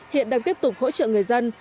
hiện đang tiếp tục hỗ trợ người dân